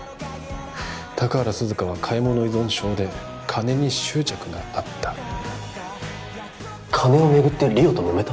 高原涼香は買い物依存症で金に執着があった金をめぐって莉桜ともめた？